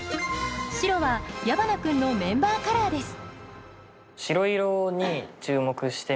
白は矢花君のメンバーカラーです